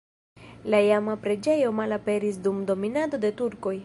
La iama preĝejo malaperis dum dominado de turkoj.